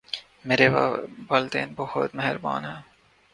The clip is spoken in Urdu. میرے والدین بہت مہربان ہیں